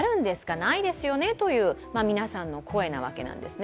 ないですよねという皆さんの声なわけなんですね。